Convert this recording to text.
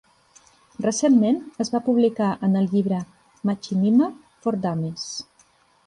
Recentment, es van publicar en el llibre "Machinima For Dummies".